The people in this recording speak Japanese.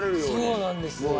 そうなんです。